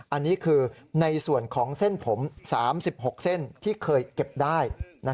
อันนี้คือในส่วนของเส้นผม๓๖เส้นที่เคยเก็บได้